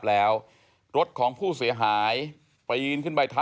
แล้วเป็นห่วงคนขับคนนั่งนะ